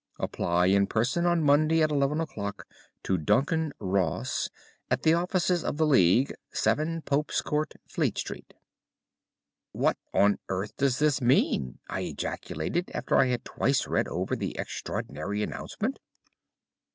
Apply in person on Monday, at eleven o'clock, to Duncan Ross, at the offices of the League, 7 Pope's Court, Fleet Street." "What on earth does this mean?" I ejaculated after I had twice read over the extraordinary announcement.